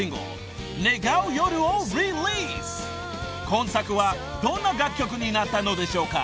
［今作はどんな楽曲になったのでしょうか？］